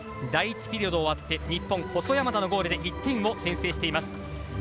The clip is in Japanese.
第１ピリオドが終わって日本、細山田のゴールで１点を先制しています。